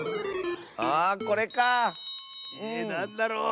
あこれかあ。えなんだろう。